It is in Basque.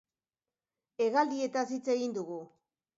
Hegaldietaz hitz egin dugu.